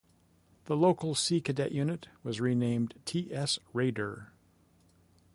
The local Sea Cadet Unit was renamed T S Raider.